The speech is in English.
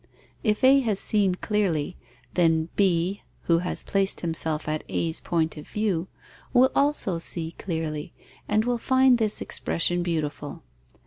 If A has seen clearly, then B (who has placed himself at A's point of view) will also see clearly and will find this expression beautiful.